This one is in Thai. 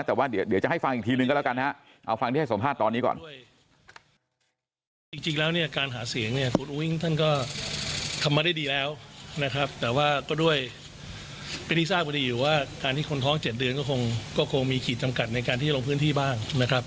แต่ว่าเดี๋ยวจะให้ฟังอีกทีนึงก็แล้วกันฮะเอาฟังที่ให้สัมภาษณ์ตอนนี้ก่อน